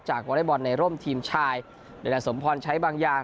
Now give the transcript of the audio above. จากวอเล่บอลในร่มทีมชายดังนั้นสมพลใช้บางอย่าง